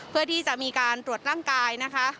เพื่อที่จะมีการตรวจร่างกายนะคะ